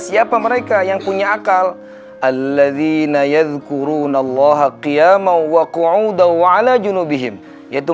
siapa mereka yang punya akal alladzina yazkurun allaha qiyamau wa qu'udaw wa'ala junubihim yaitu